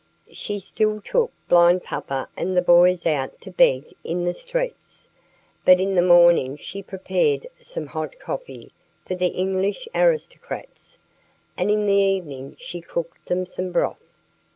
She still took blind papa and the boys out to beg in the streets, but in the morning she prepared some hot coffee for the English aristocrats, and in the evening she cooked them some broth.